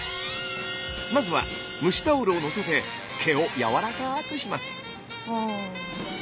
まずは蒸しタオルをのせて毛をやわらかくします。